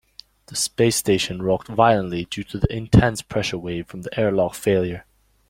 The space station rocked violently due to the intense pressure wave from the airlock failure.